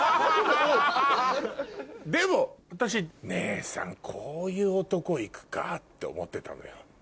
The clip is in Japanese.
でも私姉さんこういう男行くかって思ってたのよ。